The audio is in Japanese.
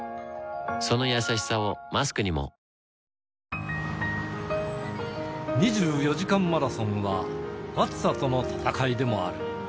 そのやさしさをマスクにも２４時間マラソンは、暑さとの戦いでもある。